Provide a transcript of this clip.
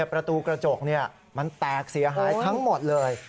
ประตูกระจกมันแตกเสียหายทั้งหมดเลย